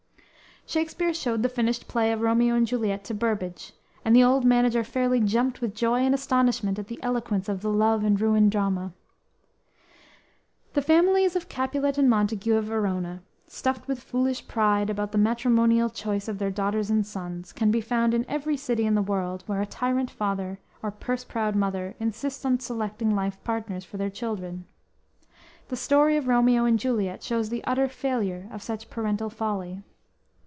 Shakspere showed the finished play of "Romeo and Juliet" to Burbage, and the old manager fairly jumped with joy and astonishment at the eloquence of the love and ruin drama. The families of Capulet and Montague of Verona, stuffed with foolish pride about the matrimonial choice of their daughters and sons, can be found in every city in the world where a tyrant father or purse proud mother insist on selecting life partners for their children. The story of Romeo and Juliet shows the utter failure of such parental folly.